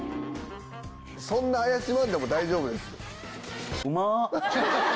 そんな怪しまんでも大丈夫です。